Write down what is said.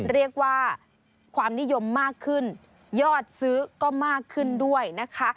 เรียกว่าความนิยมมากขึ้นยอดซื้อก็มากขึ้นด้วยนะคะ